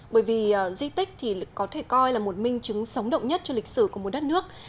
bởi vì di tích thì có thể coi là một minh chứng sóng động nhất cho lịch sử của một đất nước